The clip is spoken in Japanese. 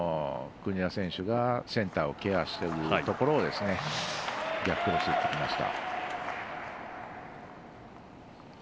国枝選手がセンターをケアしているところを逆クロスに打ちました。